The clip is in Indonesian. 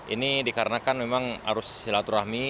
ini dikarenakan memang arus silaturahmi